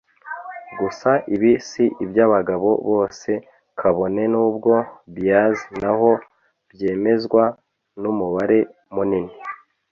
Gusa ibi si iby’abagabo bose kabone n’ubwo bias n’aho byemezwa n’umubare munini